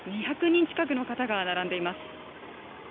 ２００人近くの方が並んでいます。